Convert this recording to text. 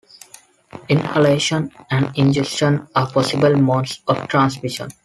Inhalation and ingestion are possible modes of transmission.